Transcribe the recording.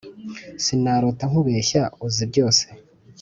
Sinarota nkubeshya uzi byose